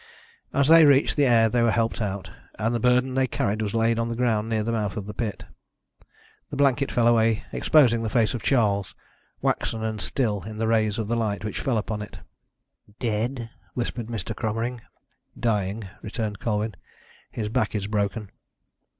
As they reached the air they were helped out, and the burden they carried was laid on the ground near the mouth of the pit. The blanket fell away, exposing the face of Charles, waxen and still in the rays of the light which fell upon it. "Dead?" whispered Mr. Cromering. "Dying," returned Colwyn. "His back is broken."